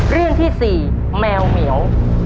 เรื่องที่๔แมวเหมียว